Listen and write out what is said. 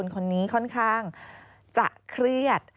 คนนี้ค่อนข้างจะเครียด